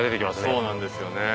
そうなんですよね。